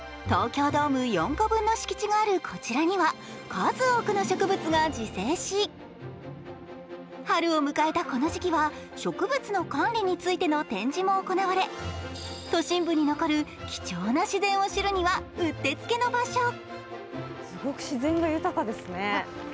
東京ドーム４個分の敷地があるこちらには数多くの植物が自生し、春を迎えたこの時期は植物の管理についての展示も行われ都心部に残る貴重な自然を知るにはうってつけの場所。